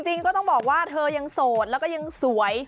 จริงก็ต้องบอกว่าเธอยังโสดแล้วก็ยังสวย